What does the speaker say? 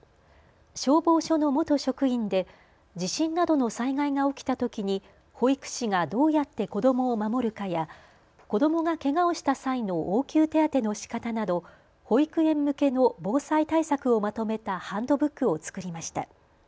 消防署の元職員で地震などの災害が起きたときに保育士がどうやって子どもを守るかや子どもがけがをした際の応急手当てのしかたなど保育園向けの防災対策をまとめたハンドブックを作りました。